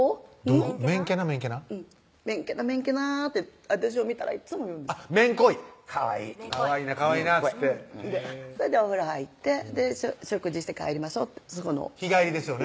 うん「めんけぇなめんけぇな」って私を見たらいっつも言うあっめんこいかわいい「かわいいなかわいいな」っつってそれでお風呂入って食事して帰りましょうってそこの日帰りですよね